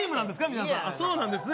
皆さんそうなんですね